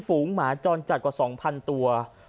ฝูหมาจรจัดกว่า๒๐๐ตัว